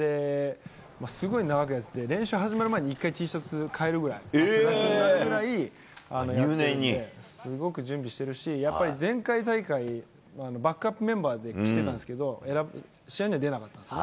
すごい長くやって、練習始まる前に一回Ｔシャツ替えるぐらい、汗だくになるぐらい、すごく準備してるし、やっぱり前回大会、バックアップメンバーで来てたんですけど、試合には出れなかったんですね。